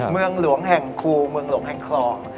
เมืองหลวงแห่งคูเมืองหลวงแห่งคลอง